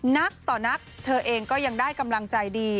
นักต่อนักเธอเองก็ยังได้กำลังใจดี